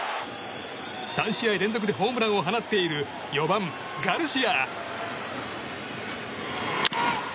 ３試合連続でホームランを放っている４番、ガルシア。